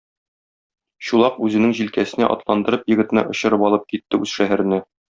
Чулак үзенең җилкәсенә атландырып егетне очырып алып китте үз шәһәренә.